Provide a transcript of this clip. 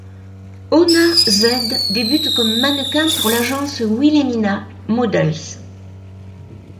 Ona Z débute comme mannequin pour l'agence Wilhelmina Models.